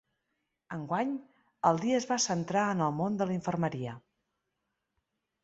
Enguany, el dia es va centrar en el món de la infermeria.